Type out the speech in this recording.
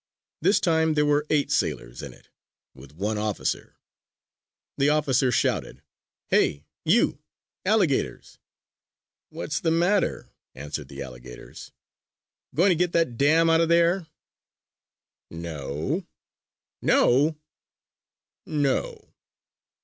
This time there were eight sailors in it, with one officer. The officer shouted: "Hey, you, alligators!" "What's the matter?" answered the alligators. "Going to get that dam out of there?" "No!" "No?" "No!"